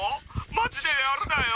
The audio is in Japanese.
マジでやるなよ